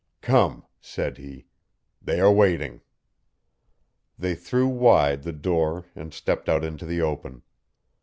"Come," said he, "they are waiting." They threw wide the door and stepped out into the open.